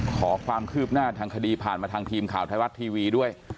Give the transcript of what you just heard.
ขอความคืบหน้าทางคดีผ่านมาทางทีมข่าวไทยรัฐทีวีด้วย